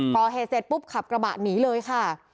ก่อเหตุเสร็จปุ๊บขับกระบะหนีเลยค่ะ